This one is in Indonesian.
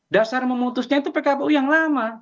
dasar memutusnya itu pkpu yang lama